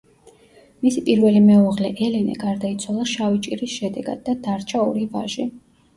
მისი პირველი მეუღლე ელენე გარდაიცვალა შავი ჭირის შედეგად და დარჩა ორი ვაჟი.